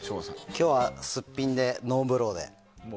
今日はすっぴんでノーブローで。